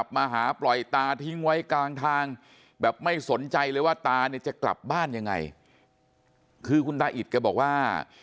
แบบไม่สนใจเลยว่าตาจะกลับบ้านยังไงคือคุณตาอิตแกบอกว่า